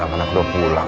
anak anak udah pulang